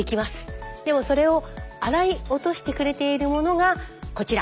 でもそれを洗い落としてくれているものがこちら。